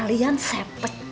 kalian saya pecat